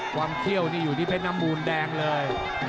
ความเขี้ยวนี่อยู่ที่เพชรนมูลแดงเลย